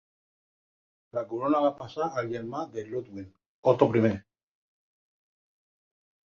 La corona va passar al germà de Ludwig, Otto I.